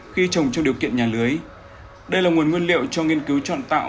khi trồng trong điều kiện nhà lưới đây là nguồn nguyên liệu cho nghiên cứu chọn tạo